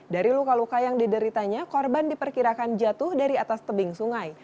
dari luka luka yang dideritanya korban diperkirakan jatuh dari atas tebing sungai